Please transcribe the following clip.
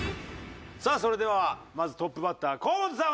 さあそれではまずトップバッター河本さん